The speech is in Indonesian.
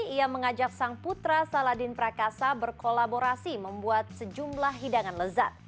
ia mengajak sang putra saladin prakasa berkolaborasi membuat sejumlah hidangan lezat